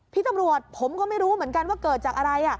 พี่ตำรวจผมก็ไม่รู้เหมือนกันว่าเกิดจากอะไร